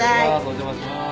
お邪魔します。